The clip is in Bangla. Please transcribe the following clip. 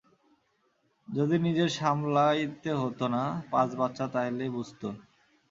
যদি নিজের সামলাইতে হতো না, পাঁচ বাচ্চা, তাইলে বুঝতো।